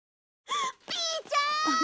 ピーちゃん！